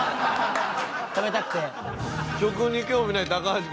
食べたくて。